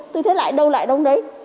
tôi thấy lại đâu lại đâu đấy